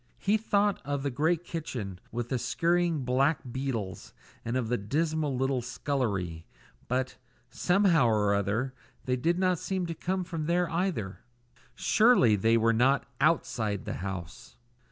He thought of the great kitchen, with the scurrying black beetles, and of the dismal little scullery; but, somehow or other, they did not seem to come from there either. Surely they were not outside the house!